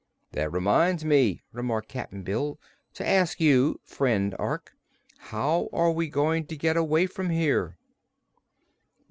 "That reminds me," remarked Cap'n Bill, "to ask you, friend Ork, how we are going to get away from here?"